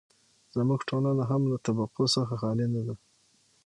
زموږ ټولنه هم له طبقو څخه خالي نه ده.